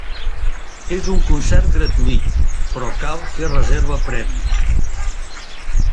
És un concert gratuït, però cal fer reserva prèvia.